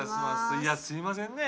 いやすいませんねえ。